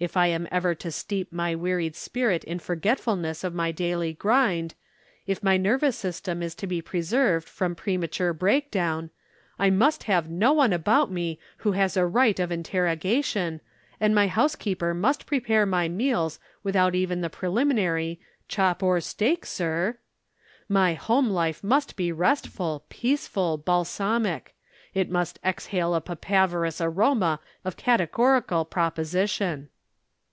If I am ever to steep my wearied spirit in forgetfulness of my daily grind, if my nervous system is to be preserved from premature break down, I must have no one about me who has a right of interrogation, and my housekeeper must prepare my meals without even the preliminary 'Chop or Steak, sir?' My home life must be restful, peaceful, balsamic it must exhale a papaverous aroma of categorical proposition."